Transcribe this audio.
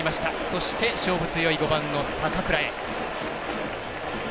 そして、勝負強い５番の坂倉へ。